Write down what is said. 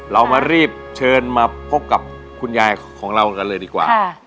เรามารีบเชิญมาพบกับคุณยายของเรากันเลยดีกว่า